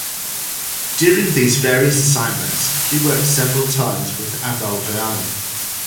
During these various assignments she worked several times with Abel Viana.